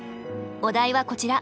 お題はこちら。